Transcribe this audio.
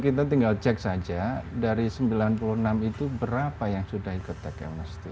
kita tinggal cek saja dari sembilan puluh enam itu berapa yang sudah ikut tax amnesty